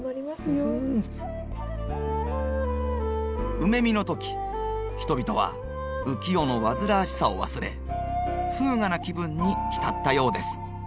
梅見の時人々は浮世の煩わしさを忘れ風雅な気分に浸ったようです。